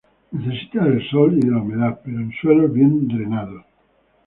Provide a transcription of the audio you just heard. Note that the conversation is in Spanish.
Necesita del sol y de la humedad pero en suelos bien drenados.